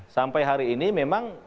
sampai hari ini memang